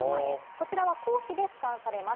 こちらは公費で負担されます。